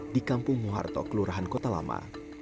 di kampung muharto kelurahan kota lama